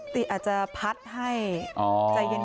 ติอาจจะพัดให้ใจเย็น